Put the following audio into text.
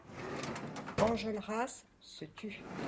Enjolras se tut.